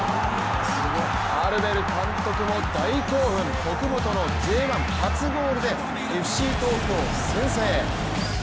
アルベル監督も大興奮徳元のＪ１初ゴールでＦＣ東京、先制。